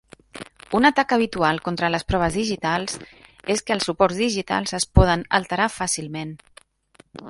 Un atac habitual contra les proves digitals és que els suports digitals es poden alterar fàcilment.